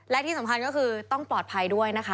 และที่สำคัญก็คือต้องปลอดภัยด้วยนะคะ